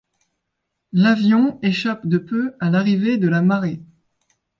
L'avion échappe de peu à l'arrivée de la marée.